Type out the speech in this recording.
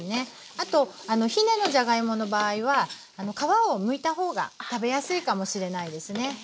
あとひねのじゃがいもの場合は皮をむいた方が食べやすいかもしれないですね。